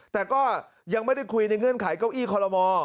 แต่ก็ยังไม่ได้คุยในเงื่อนไขเก้าอี้คอลโลมอ